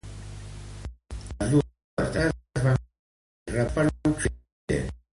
Les dos demandes van ser rebutjades per Occident.